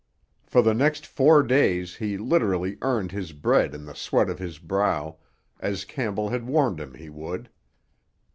For the next four days he literally earned his bread in the sweat of his brow, as Campbell had warned him he would.